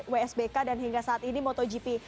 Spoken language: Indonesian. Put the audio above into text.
wsbk dan hingga saat ini motogp